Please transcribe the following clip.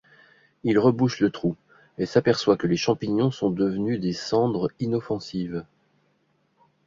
Il rebouche le trou et s’aperçoit que les champignons sont devenus des cendres inoffensives.